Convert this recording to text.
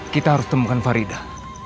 kita harus temukan farida